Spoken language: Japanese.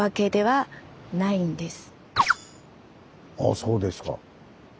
あそうですか。